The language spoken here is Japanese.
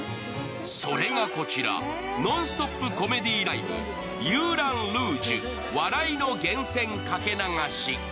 それがこちら、ノンストップコメディＬＩＶＥ、「ユーラン・ルージュ笑いの源泉かけ流し」